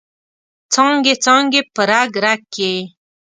څانګې، څانګې په رګ، رګ کې